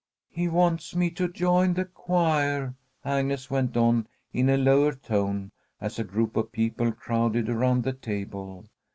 "He wants me to join the choir," Agnes went on, in a lower tone, as a group of people crowded around the table.